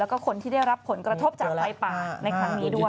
แล้วก็คนที่ได้รับผลกระทบจากไฟป่าในครั้งนี้ด้วย